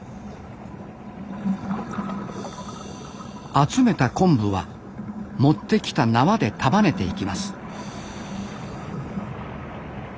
集めた昆布は持ってきた縄で束ねていきます